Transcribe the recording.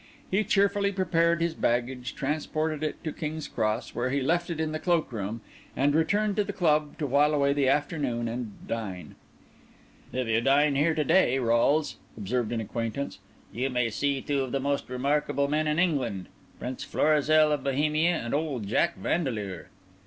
He cheerfully prepared his baggage, transported it to King's Cross, where he left it in the cloak room, and returned to the club to while away the afternoon and dine. "If you dine here to day, Rolles," observed an acquaintance, "you may see two of the most remarkable men in England—Prince Florizel of Bohemia, and old Jack Vandeleur."